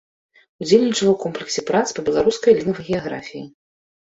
Удзельнічала ў комплексе прац па беларускай лінгвагеаграфіі.